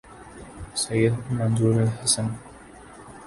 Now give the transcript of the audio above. سید Manzoor الحسن